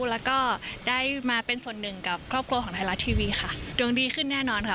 แล้วก็ได้มาเป็นส่วนหนึ่งกับครอบครัวของไทยรัฐทีวีค่ะดวงดีขึ้นแน่นอนค่ะ